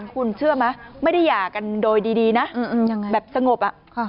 คุณเชื่อไหมไม่ได้หย่ากันโดยดีนะแบบสงบ